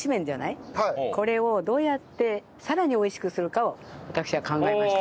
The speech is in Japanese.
これをどうやってさらに美味しくするかを私は考えました。